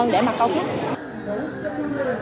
đặc sắc hơn để mà cầu khách